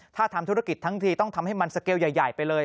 ถ้าทำธุรกิจทั้งทีต้องทำให้มันสเกลใหญ่ไปเลย